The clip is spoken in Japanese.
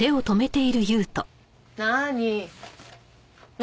何？